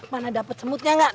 mana dapat semutnya gak